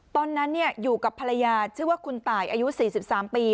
ตอนนั้นอยู่กับภรรยาชื่อว่าคุณตายอายุ๔๓ปี